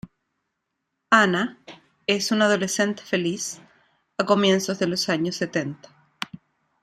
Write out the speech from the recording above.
Ana es una adolescente feliz a comienzos de los años setenta.